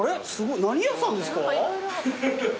何屋さんですか？